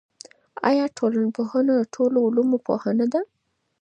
آیا ټولنپوهنه د ټولو علومو پوهنه ده؟